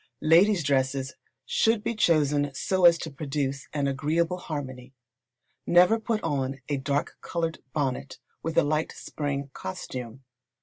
Ladies' dresses should be chosen so as to produce an agreeable harmony. Never put on a dark coloured bonnet with a light spring costume.